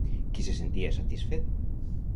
Qui se sentia satisfet?